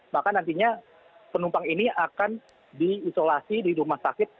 maka nantinya penumpang ini akan diisolasi di rumah sakit